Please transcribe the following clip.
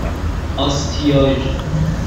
آستیاژ